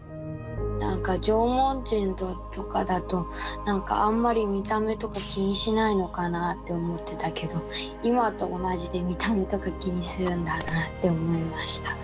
なんか縄文人とかだとなんかあんまり見た目とか気にしないのかなあって思ってたけど今と同じで見た目とか気にするんだなあって思いました。